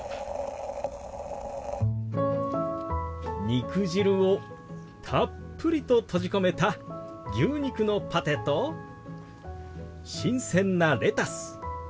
肉汁をたっぷりと閉じ込めた牛肉のパテと新鮮なレタス。